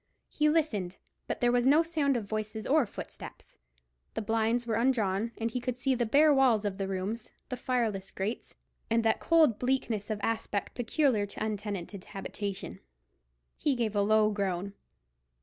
He listened, but there was no sound of voices or footsteps. The blinds were undrawn, and he could see the bare walls of the rooms, the fireless grates, and that cold bleakness of aspect peculiar to an untenanted habitation. He gave a low groan.